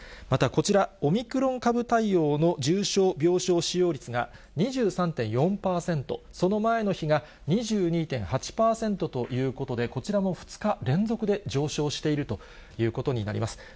またこちら、オミクロン株対応の重症病床使用率が２３．４％、その前の日が２２．８％ということで、こちらも２日連続で上昇しているということになります。